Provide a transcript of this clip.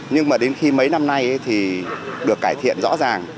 nhưng mà đến khi mấy năm nay thì được cải thiện rõ ràng